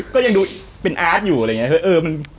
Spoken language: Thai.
ก็ยังดูเป็นอาร์ตอยู่อะไรอย่างนี้